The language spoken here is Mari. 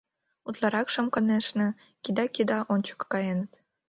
Утларакшым, конешне, кида-кида ончыко каеныт.